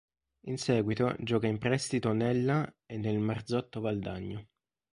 In seguito gioca in prestito nella e nel Marzotto Valdagno.